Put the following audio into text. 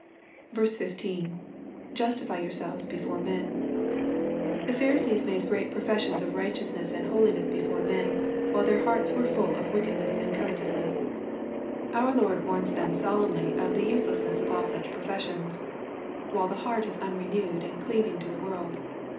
15. — [Justify yourselves before men.] The Pharisees made great professions of righteousness and holiness before men, while their hearts were fill of wickedness and covetous r. ess. Our Lord warm 210 EXPOSITORY THOUGHTS. them solemnl) of the uselessness of all such professions, while tne heart is unrenewed, and cleaving t o the world.